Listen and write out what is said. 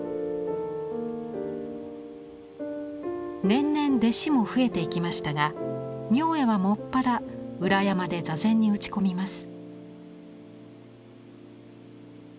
年々弟子も増えていきましたが明恵は専ら裏山で坐禅に打ち込みます。